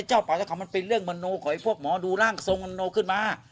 เป่าเจ้าเขามันเป็นเรื่องมโนขอให้พวกหมอดูร่างทรงมโนขึ้นมา